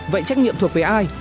vậy trách nhiệm thuộc về ai